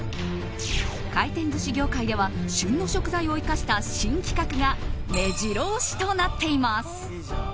回転寿司業界では旬の食材を生かした新企画が目白押しとなっています。